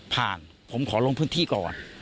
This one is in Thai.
ผ่านผมขอลงพื้นที่ก่อน